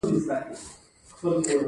اووم ددې لارو ګډول دي.